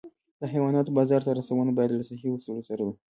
د حیواناتو بازار ته رسونه باید له صحي اصولو سره وي.